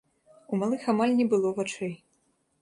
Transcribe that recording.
У малых амаль не было вачэй.